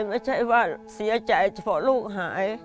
ไม่ใช่ว่าเสียใจเฉพาะลูกหาย